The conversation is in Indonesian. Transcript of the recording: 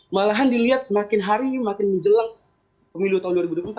malahan dilihat makin hari makin menjelang pemilu tahun dua ribu dua puluh empat